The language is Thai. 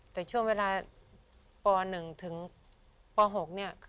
แต่ช่วงเวลาป๑ถึงป๖เนี่ย